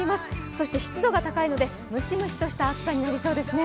そして湿度が高いので、ムシムシとした暑さになりそうですね。